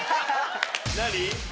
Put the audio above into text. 何？